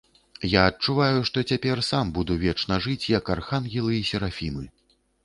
Я адчуваю, што цяпер сам буду вечна жыць, як архангелы і серафімы.